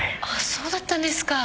そうだったんですか。